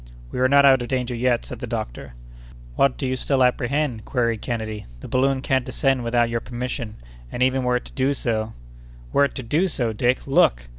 "We are not out of danger yet," said the doctor. "What do you still apprehend?" queried Kennedy. "The balloon can't descend without your permission, and even were it to do so—" "Were it to do so, Dick? Look!"